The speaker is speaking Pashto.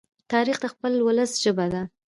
تاریخ د خپل ولس ژبه ده.